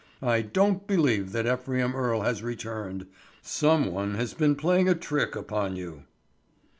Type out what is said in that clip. I don't believe that Ephraim Earle has returned. Some one has been playing a trick upon you."